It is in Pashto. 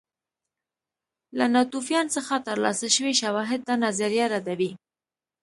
له ناتوفیان څخه ترلاسه شوي شواهد دا نظریه ردوي